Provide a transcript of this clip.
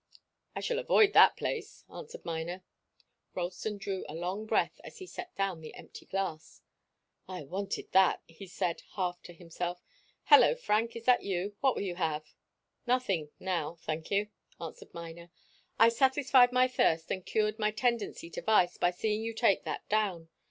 "I shall avoid that place," answered Miner. Ralston drew a long breath as he set down the empty glass. "I wanted that," he said, half to himself. "Hallo, Frank is that you? What will you have?" "Nothing now thank you," answered Miner. "I've satisfied my thirst and cured my tendency to vice by seeing you take that down.